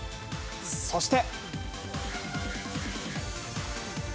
そして。